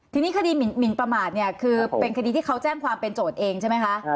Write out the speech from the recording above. ทีนี้คดีหมินประมาทเนี่ยคือเป็นคดีที่เขาแจ้งความเป็นโจทย์เองใช่ไหมคะ